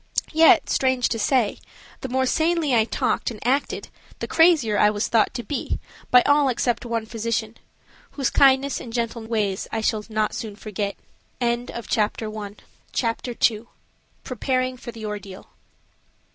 Yet strange to say, the more sanely I talked and acted the crazier I was thought to be by all except one physician, whose kindness and gentle ways I shall not soon forget. CHAPTER II. PREPARING FOR THE ORDEAL.